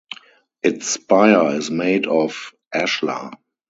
Its spire is made of ashlar.